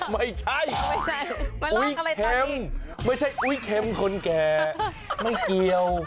ไม่ใช่อุ้ยเค็มไม่ใช่อุ้ยเค็มคนแก่ไม่เกี่ยว